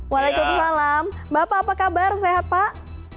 waalaikumsalam bapak apa kabar sehat pak